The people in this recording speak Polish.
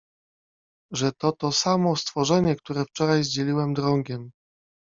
- Że to to samo stworzenie, które wczoraj zdzieliłem drągiem.